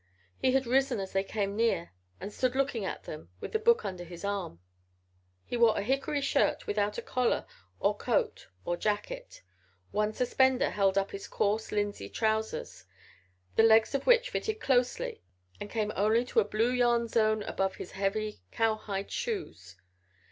He had risen as they came near and stood looking at them, with the book under his arm. ... He wore a hickory shirt without a collar or coat or jacket. One suspender held up his coarse, linsey trousers, the legs of which fitted closely and came only to a blue yarn zone above his heavy cowhide shoes.